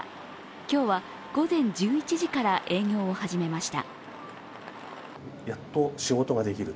今日は午前１１時から営業を始めました。